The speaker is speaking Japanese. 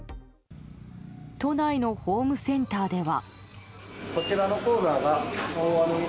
都内のホームセンターでは。